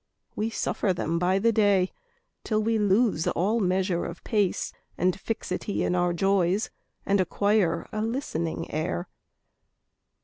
We suffer them by the day Till we lose all measure of pace, And fixity in our joys, And acquire a listening air.